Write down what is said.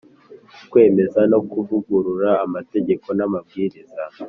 Kwemeza no kuvugurura amategeko n amabwiriza